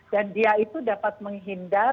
dan dia itu dapat menghindar